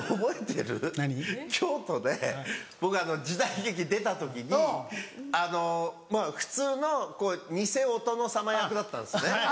京都で僕時代劇出た時に普通の偽お殿様役だったんですね。